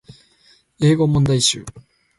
英語問題集